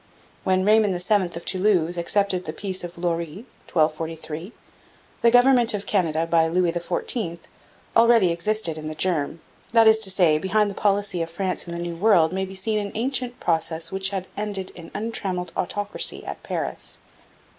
When Raymond VII of Toulouse accepted the Peace of Lorris (1243) the government of Canada by Louis XIV already existed in the germ. That is to say, behind the policy of France in the New World may be seen an ancient process which had ended in untrammelled autocracy at Paris.